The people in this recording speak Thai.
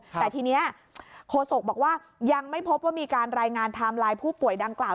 แต่ทีนี้โฆษกบอกว่ายังไม่พบว่ามีการรายงานไทม์ไลน์ผู้ป่วยดังกล่าว